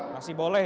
masih boleh ya